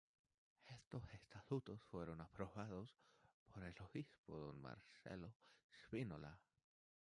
Estos Estatutos fueron aprobados por el Obispo don Marcelo Spínola.